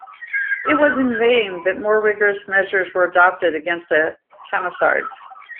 It was in vain that more rigorous measures were adopted against the Camisards.